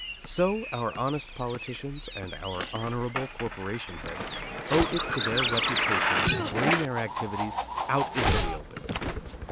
So, our honest politicians and our honorable corporation heads owe it to their reputations to bring their activities out into the open.